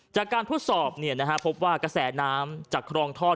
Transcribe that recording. จากการทดสอบพบว่ากระแสน้ำจากครองทอด